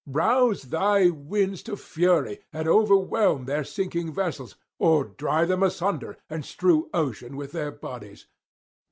Rouse thy winds to fury, and overwhelm their sinking vessels, or drive them asunder and strew ocean with their bodies.